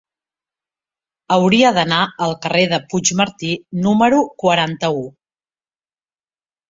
Hauria d'anar al carrer de Puigmartí número quaranta-u.